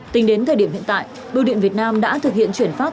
tính đến thời điểm hiện tại bưu điện việt nam đã thực hiện chuyển phát